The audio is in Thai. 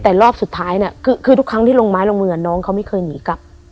แต่รอบสุดท้ายเนี่ยคือทุกครั้งที่ลงไม้ลงมือน้องเขาไม่เคยหนีกลับ